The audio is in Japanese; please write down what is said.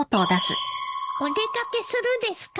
お出掛けするですか？